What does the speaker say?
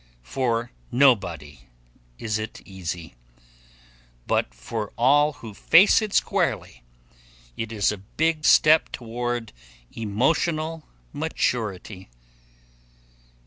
For nobody is it easy. But for all who face it squarely, it is a big step toward emotional maturity.